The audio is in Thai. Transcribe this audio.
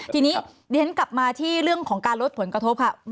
ทีนี้เดี๋ยวฉันกลับมาที่เรื่องของการลดผลกระทบค่ะ